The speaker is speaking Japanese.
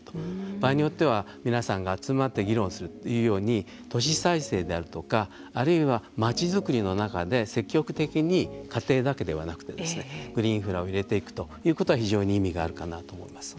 場合によっては皆さんが集まって議論するというように都市再生であるとかあるいはまちづくりの中で積極的に家庭だけではなくてグリーンインフラを入れていくということは非常に意味があるかなと思います。